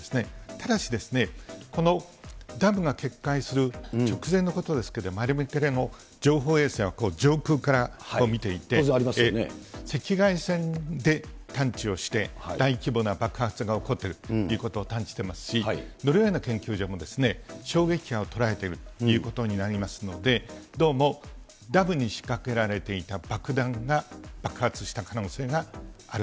ただし、このダムが決壊する直前のことですけれども、の情報衛星が上空から見ていて、赤外線で探知をして、大規模な爆発が起こっているということを探知してますし、ノルウェーの研究所も衝撃波を捉えているということになりますので、どうもダムに仕掛けられていた爆弾が爆発した可能性がある。